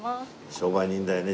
商売人だよね。